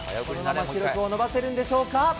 記録を伸ばせるんでしょうか。